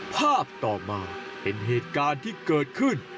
ต่อมาเป็นเหตุการณ์ที่เกิดขึ้น